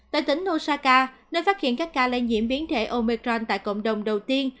tại tỉnh osaka nơi phát hiện các ca lây nhiễm biến thể omecron tại cộng đồng đầu tiên